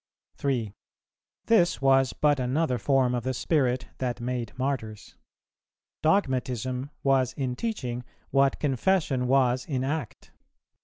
3. This was but another form of the spirit that made martyrs. Dogmatism was in teaching, what confession was in act.